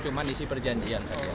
cuma isi perjanjian saja